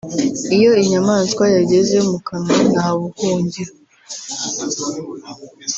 iyo inyamaswa yageze mu kanwa nta buhungiro